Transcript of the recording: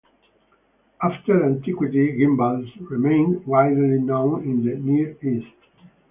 After antiquity, gimbals remained widely known in the Near East.